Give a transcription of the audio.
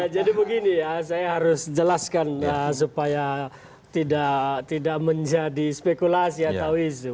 jadi begini ya saya harus jelaskan supaya tidak menjadi spekulasi atau isu